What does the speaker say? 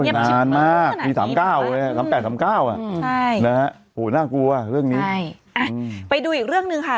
นานมากมี๓๙๓๘๓๙นะฮะโหน่ากลัวเรื่องนี้ใช่ไปดูอีกเรื่องหนึ่งค่ะ